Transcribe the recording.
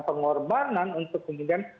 pengorbanan untuk kemudian